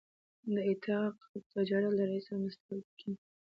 د اطاق تجارت له رئیس او د مستهلکینو